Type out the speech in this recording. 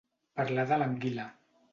Parlar de l'anguila.